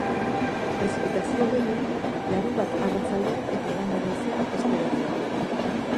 Prezipitazio gehien larunbat arratsaldean eta igande goizean espero dira.